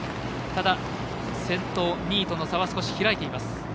ただ、先頭、２位との差は少し開いています。